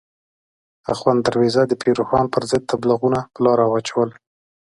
اخوند درویزه د پیر روښان پر ضد تبلیغونه په لاره واچول.